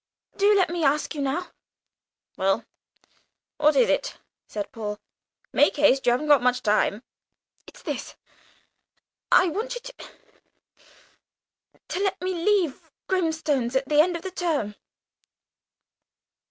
Do let me ask you now." "Well, what is it?" said Paul. "Make haste, you haven't much time." "It's this. I want you to to let me leave Grimstone's at the end of the term."